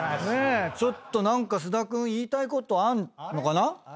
ちょっと何か菅田君言いたいことあるのかな？